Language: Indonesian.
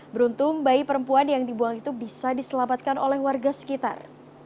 beruntung bayi perempuan yang dibuang itu bisa diselamatkan oleh warga sekitar